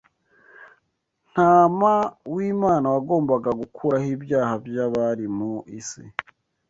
Ntama w’Imana wagombaga gukuraho ibyaha by’abari mu isi